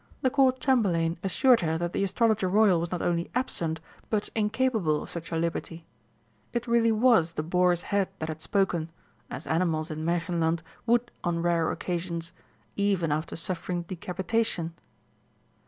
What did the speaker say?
The Court Chamberlain assured her that the Astrologer Royal was not only absent, but incapable of such a liberty; it really was the boar's head that had spoken, as animals in Märchenland would on rare occasions even after suffering decapitation.